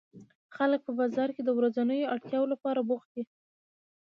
خلک په بازار کې د ورځنیو اړتیاوو لپاره بوخت دي